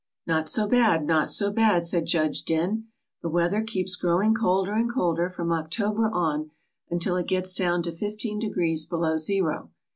" "Not so bad. Not so bad," said Judge Dehn. "The weather keeps growing colder and colder from October on until it gets down to fifteen degrees below zero.